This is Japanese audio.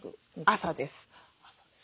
朝です。